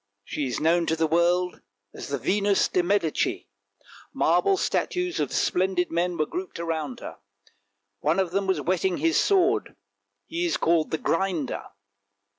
She is known to the world as the Venus de Medici. Marble statues of splendid men were grouped around her; one of them was whetting his sword, he is called the Grinder.